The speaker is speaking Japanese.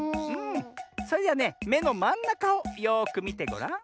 それではねめのまんなかをよくみてごらん。